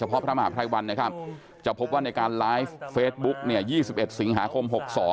พระมหาภัยวัลจะพบว่าในการไลฟ์เฟซบุ๊ก๒๑สิงหาคม๖๒